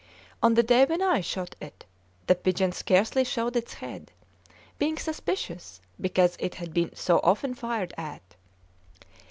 On the day when I shot it, the pigeon scarcely showed its head, being suspicious because it had been so often fired at.